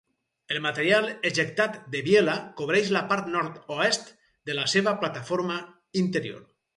El material ejectat de Biela cobreix la part nord-oest de la seva plataforma interior.